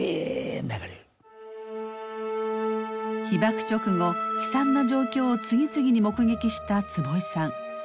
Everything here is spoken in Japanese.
被爆直後悲惨な状況を次々に目撃した坪井さん。